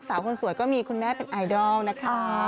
สาวคนสวยก็มีคุณแม่เป็นไอดอลนะคะ